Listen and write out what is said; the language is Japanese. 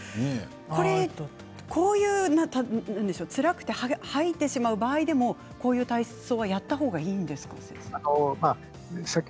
つらくて吐いてしまう場合でもこういう体操はやった方がいいですか先生。